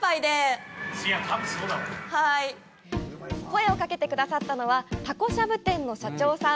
声をかけてくださったのはタコしゃぶ店の社長さん。